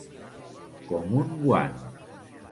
Com un guant.